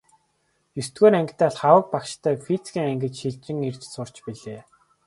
Есдүгээр ангидаа Лхагва багштай физикийн ангид шилжин ирж сурч билээ.